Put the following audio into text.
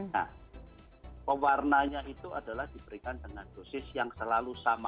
nah pewarna itu diberikan dengan dosis yang selalu sama